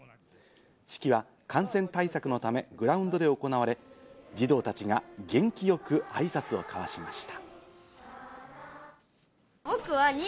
式は感染対策のためグラウンドで行われ、児童たちが元気よく挨拶を交わしました。